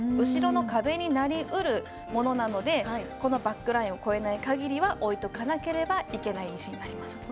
後ろの壁になりうるものなのでこのバックラインを越えない限りは置いておかなければいけない石になります。